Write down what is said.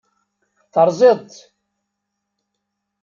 Terẓiḍ-t.